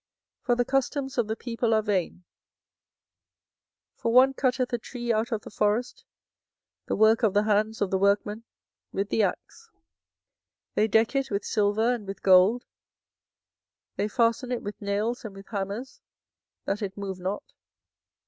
24:010:003 For the customs of the people are vain: for one cutteth a tree out of the forest, the work of the hands of the workman, with the axe. 24:010:004 They deck it with silver and with gold; they fasten it with nails and with hammers, that it move not.